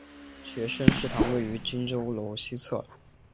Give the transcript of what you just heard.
学生食堂位于荆州楼西侧。